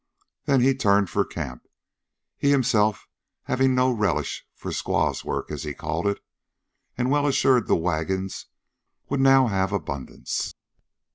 Then he turned for camp, he himself having no relish for squaw's work, as he called it, and well assured the wagons would now have abundance.